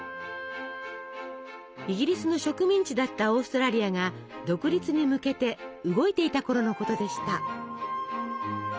イギリスの植民地だったオーストラリアが独立に向けて動いていたころのことでした。